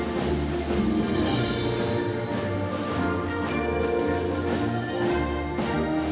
pemenangan peleg dan pilpres dua ribu dua puluh empat